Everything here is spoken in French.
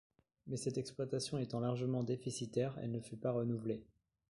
Mais cette exploitation étant largement déficitaire, elle ne fut pas renouvelée.